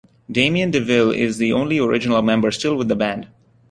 Damien DeVille is the only original member still with the band.